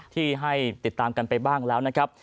ที่ให้ติดตามกันไปบ้างแล้วนะครับ